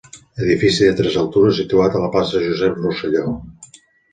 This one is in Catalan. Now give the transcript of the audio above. Edifici de tres altures situat a la Plaça Josep Rosselló.